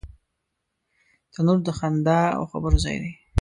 تنور د خندا او خبرو ځای دی